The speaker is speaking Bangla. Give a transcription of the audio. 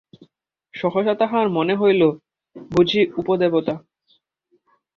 সহসা তাঁহার মনে হইল, বুঝি উপদেবতা।